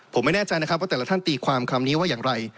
ผมไม่แน่ใจนะครับว่าแต่ละท่านตีความคำนี้ว่าอย่างไร